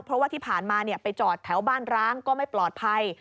เพราะว่าที่ผ่านมาไปจอดแถวบ้านร้างก็ไม่ปลอดภัย